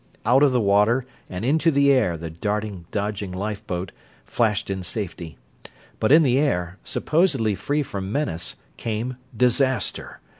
Out of the water and into the air the darting, dodging lifeboat flashed in safety; but in the air, supposedly free from menace, came disaster.